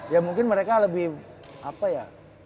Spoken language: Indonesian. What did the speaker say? ya mungkin mereka lebih apa ya